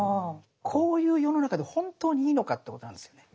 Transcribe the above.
こういう世の中で本当にいいのかってことなんですよね。